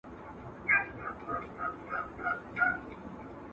خواړه د بدن توازن ساتي.